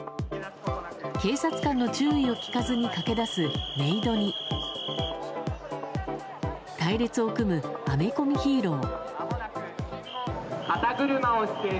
警察官の注意を聞かずに駆け出すメイドに隊列を組むアメコミヒーロー。